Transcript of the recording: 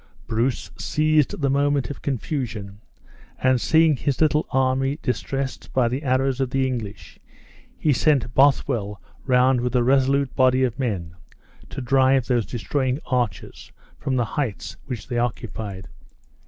Bruce seized the moment of confusion, and seeing his little army distressed by the arrows of the English, he sent Bothwell round with a resolute body of men to drive those destroying archers from the heights which they occupied.